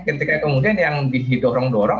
ketika kemudian yang didorong dorong